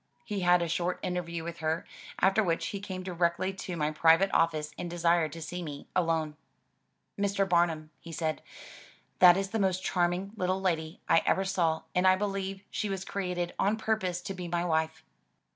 He had a short interview with her, after which he came directly to my private office and desired to see me alone. " Mr. Bamum," he said, that is the most charming little lady I ever saw and I believe she was created on purpose to be my wife."